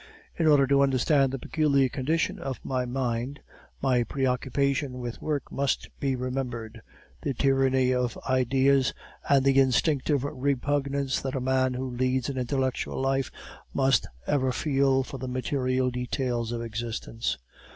"In order to understand the peculiar condition of my mind, my preoccupation with work must be remembered, the tyranny of ideas, and the instinctive repugnance that a man who leads an intellectual life must ever feel for the material details of existence.